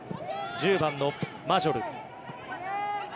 １０番のマジョル。